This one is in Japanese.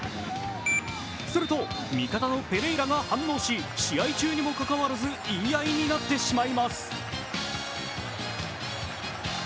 すると味方のペレイラが反応し試合中にもかかわらず言い合いになってしまいます。